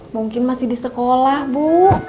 mungkin masih di sekolah bu